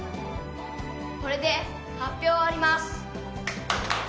これで発表を終わります。